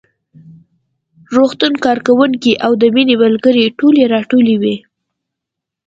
روغتون کارکوونکي او د مينې ملګرې ټولې راټولې وې